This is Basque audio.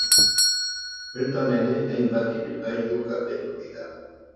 Bertan ere hainbat ibilgailu kaltetu dira.